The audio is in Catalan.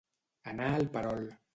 Anar al perol.